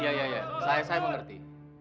ya ya ya saya saya mengerti